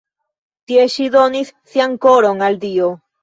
Tie ŝi donis sian koron al Dio.